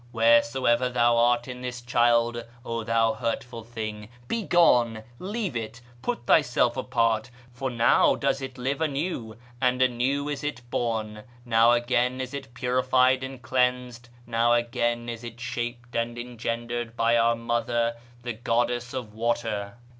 Wheresoever thou art in this child, O thou hurtful thing, begone! leave it, put thyself apart; for now does it live anew, and anew is it born; now again is it purified and cleansed; now again is it shaped and engendered by our mother, the goddess of water."